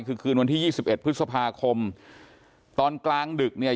คือคืนวันที่๒๑พฤษภาคมตอนกลางดึกเนี่ย